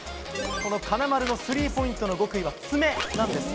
この金丸のスリーポイントの極意は爪なんです。